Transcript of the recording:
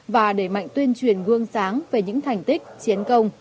và đẩy mạnh tuyên truyền gương sáng về những thành tích chiến công